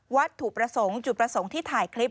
วัตถุประสงค์จุดประสงค์ที่ถ่ายคลิป